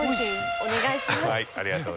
お願いします。